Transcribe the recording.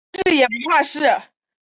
毕业于安徽农学院农学专业。